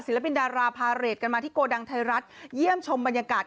ปินดาราพาเรทกันมาที่โกดังไทยรัฐเยี่ยมชมบรรยากาศ